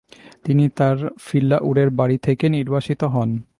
তিনি তার ফিল্লাউরের বাড়ী থেকে নির্বাসিত হন।